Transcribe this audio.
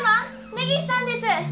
根岸さんです。